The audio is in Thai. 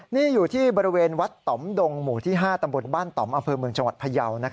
นี่อยู่ที่บริเวณวัดต่อมดงหมู่ที่๕ตำบลบ้านต่อมอำเภอเมืองจังหวัดพยาว